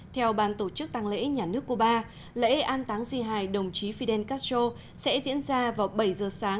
theo ban tổ chức tăng lễ nhà nước cuba lễ an táng di hài đồng chí fidel castro sẽ diễn ra vào bảy giờ sáng